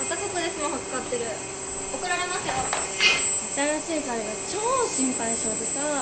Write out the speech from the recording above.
新しい彼が超心配性でさぁ。